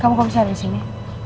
kamu kok bisa ada disini